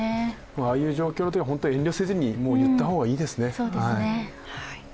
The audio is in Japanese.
ああいう状況っていうのは遠慮せずに言った方がいいですね。